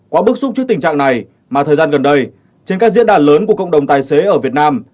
quá bức xúc trước tình trạng này mà thời gian gần đây trên các diễn đàn lớn của cộng đồng tài xế ở việt nam